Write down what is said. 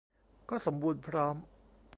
ก็สมบูรณ์พร้อม